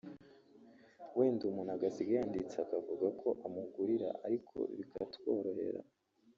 wenda umuntu agasiga yanditse akavuga ko amugarura ariko bikatworohera